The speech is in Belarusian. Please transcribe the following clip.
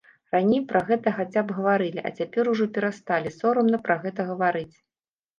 Раней пра гэта хаця б гаварылі, а цяпер ужо перасталі, сорамна пра гэта гаварыць.